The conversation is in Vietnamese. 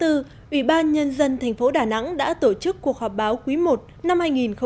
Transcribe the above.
ủy ban nhân dân thành phố đà nẵng đã tổ chức cuộc họp báo quý i năm hai nghìn hai mươi